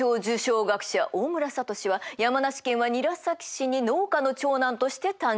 大村智は山梨県は韮崎市に農家の長男として誕生。